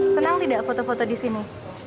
senang tidak foto foto di sini